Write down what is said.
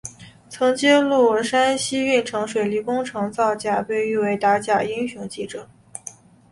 曾揭露山西运城水利工程造假被誉为打假英雄记者。